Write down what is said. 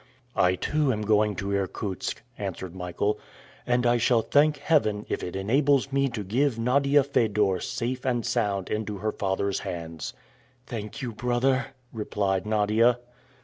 "I, too, am going to Irkutsk," answered Michael, "and I shall thank Heaven if it enables me to give Nadia Fedor safe and sound into her father's hands." "Thank you, brother," replied Nadia.